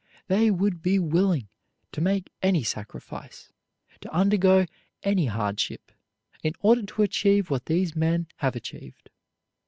They would be willing to make any sacrifice, to undergo any hardship in order to achieve what these men have achieved.